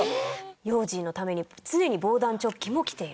用心のために常に防弾チョッキも着ている。